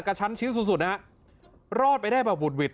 กระชั้นชิดสุดสุดนะฮะรอดไปได้แบบหุดหวิด